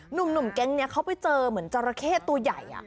หนุ่มแก๊งนี้เขาไปเจอเหมือนจราเข้ตัวใหญ่